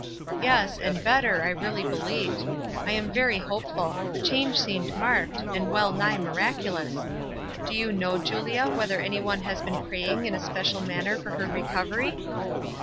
"Yes; and better, I really believe. I am very hopeful ; the change seemed marked, and well nigh miraculous. Do you know, Julia, whether any one has been praying in a special manner for her recovery?"